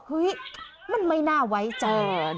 เฮ้ยมันไม่น่าไว้ใจ